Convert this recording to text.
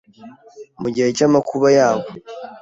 mu gihe cy’amakuba yabo